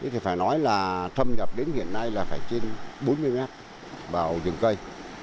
thì phải nói là thâm nhập đến hiện nay là phải trên bốn mươi mét vào rừng cây